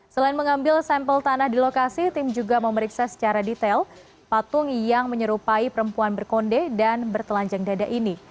selain mengambil sampel tanah di lokasi tim juga memeriksa secara detail patung yang menyerupai perempuan berkonde dan bertelanjang dada ini